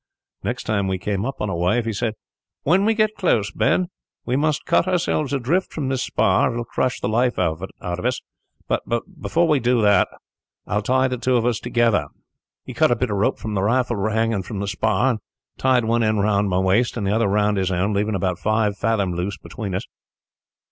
"Next time we came up on a wave, he said, 'When we get close, Ben, we must cut ourselves adrift from this spar, or it will crush the life out of us; but before we do that, I will tie the two of us together.' "He cut a bit of rope from the raffle hanging from the spar, and tied one end round my waist and the other round his own, leaving about five fathoms loose between us.